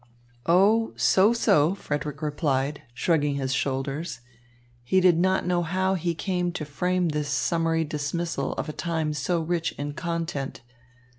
"Oh, so, so," Frederick replied, shrugging his shoulders. He did not know how he came to frame this summary dismissal of a time so rich in content.